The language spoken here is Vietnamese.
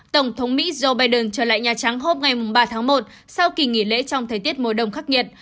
tổng thống mỹ joe biden trở lại nhà trắng hôm ba tháng một sau kỳ nghỉ lễ trong thời tiết mùa đông khắc nghiệt